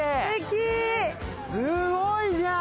すごいじゃん。